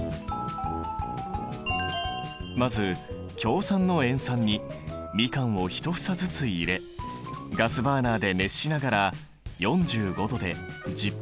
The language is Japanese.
まず強酸の塩酸にみかんを１房ずつ入れガスバーナーで熱しながら４５℃で１０分間浸す。